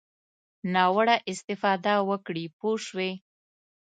ناوړه استفاده وکړي پوه شوې!.